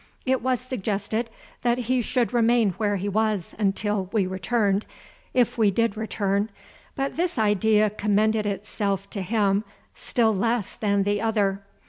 It was suggested that he should remain where he was until we returned, if we did return, but this idea commended itself to him still less than the other.